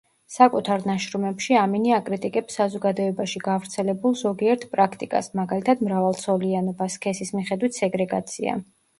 საკუთარ ნაშრომებში ამინი აკრიტიკებს საზოგადოებაში გავრცელებულ ზოგიერთ პრაქტიკას, მაგალითად მრავალცოლიანობა, სქესის მიხედვით სეგრეგაცია.